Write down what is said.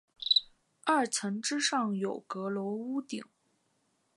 二层之上有阁楼屋顶。